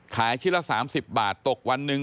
ขายที่ละ๓๐บาทตกวันนึง